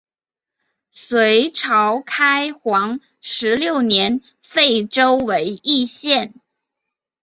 隋朝开皇十六年废州为易县。